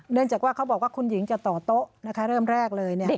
เนื่องจากว่าเขาบอกว่าคุณหญิงจะต่อโต๊ะเริ่มแรกเลย